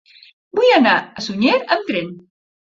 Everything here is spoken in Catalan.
Vull anar a Sunyer amb tren.